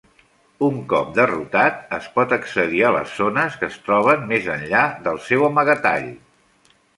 Un cop derrotat, es pot accedir a les zones que es troben més enllà del seu amagatall.